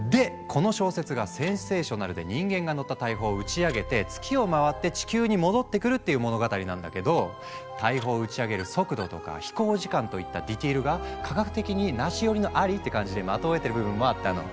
この小説がセンセーショナルで人間が乗った大砲を打ち上げて月を回って地球に戻ってくるっていう物語なんだけど大砲を打ち上げる速度とか飛行時間といったディテールが科学的にナシ寄りのアリって感じで的をえてる部分もあったの。